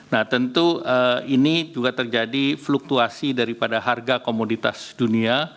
nah tentu ini juga terjadi fluktuasi daripada harga komoditas dunia